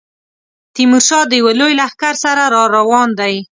تیمورشاه د یوه لوی لښکر سره را روان دی.